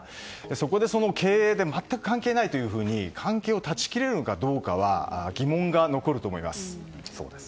そこで、経営で全く関係ないというふうに関係を断ち切れるかどうかは疑問が残ると思います。